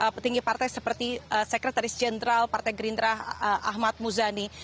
petinggi partai seperti sekretaris jenderal partai gerindra ahmad muzani